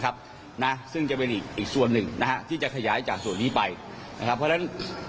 เพราะฉะนั้น